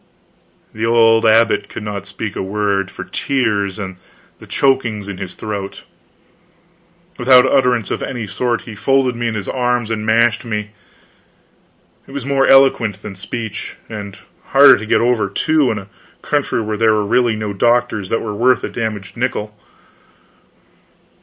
The old abbot could not speak a word, for tears and the chokings in his throat; without utterance of any sort, he folded me in his arms and mashed me. It was more eloquent than speech. And harder to get over, too, in a country where there were really no doctors that were worth a damaged nickel.